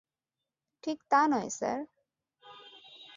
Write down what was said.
ঠিক তা নয়, স্যার।